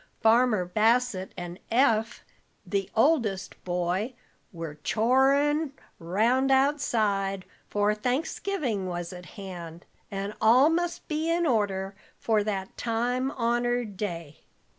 Farmer Bassett, and Eph, the oldest boy, were "chorin' 'round" outside, for Thanksgiving was at hand, and all must be in order for that time honored day.